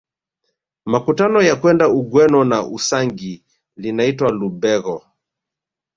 Makutano ya kwenda Ugweno na Usangi linaitwa Lubegho